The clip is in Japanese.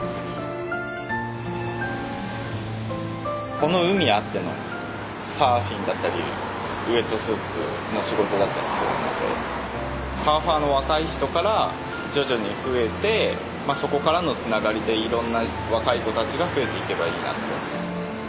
この海あってのサーフィンだったりウエットスーツの仕事だったりするのでサーファーの若い人から徐々に増えてまあそこからのつながりでいろんな若い子たちが増えていけばいいなって。